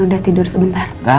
udah tidur sebentar